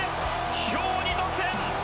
今日、２得点！